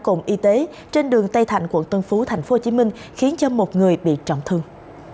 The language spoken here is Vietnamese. cùng y tế trên đường tây thạnh quận tân phú tp hcm khiến một người bị trọng thương